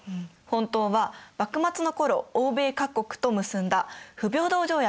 本当は幕末の頃欧米各国と結んだ不平等条約。